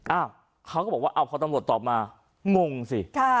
อ้าวเขาก็บอกว่าเอาพอตำรวจตอบมางงสิ